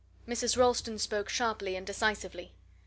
Mrs. Ralston spoke sharply and decisively.